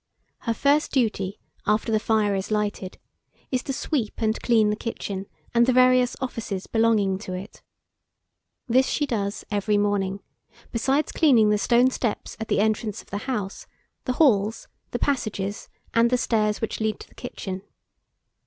Her first duty, after the fire is lighted, is to sweep and clean the kitchen, and the various offices belonging to it. This she does every morning, besides cleaning the stone steps at the entrance of the house, the halls, the passages, and the stairs which lead to the kitchen.